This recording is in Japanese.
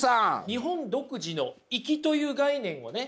日本独自の「いき」という概念をね